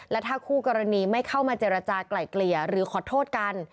และถ้าคู่กรณีไม่เข้ามาเจรจากลายเกลี่ยหรือขอโทษกัน